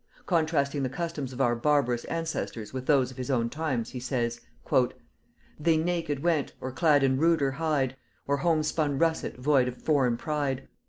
Contrasting the customs of our barbarous ancestors with those of his own times, he says: "They naked went, or clad in ruder hide, Or homespun russet void of foreign pride.